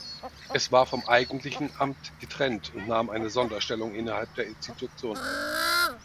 Es war vom eigentlichen Amt getrennt und nahm eine Sonderstellung innerhalb der Institution ein.